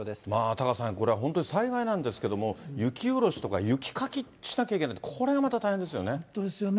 タカさん、これは本当に災害なんですけれども、雪下ろしとか雪かきしなきゃいけないってこれまた大変ですよね。